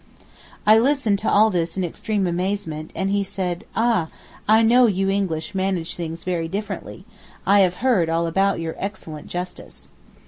I listened to all this in extreme amazement, and he said, 'Ah! I know you English manage things very differently; I have heard all about your excellent justice.